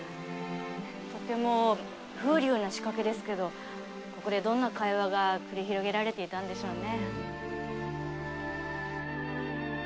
とても風流な仕掛けですけどここでどんな会話が繰り広げられていたんでしょうね。